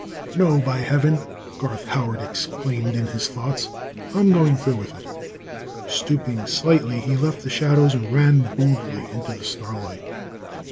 "No, by heaven!" Garth Howard exclaimed in his thoughts. "I'm going through with it!" Stooping slightly, he left the shadows and ran boldly into the starlight.